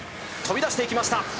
飛び出していきました！